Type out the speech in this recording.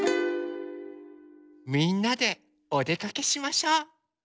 みんなでおでかけしましょう。